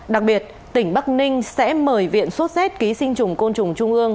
đặc biệt tỉnh bắc ninh sẽ mời viện xuất xét ký sinh chủng côn chủng trung ương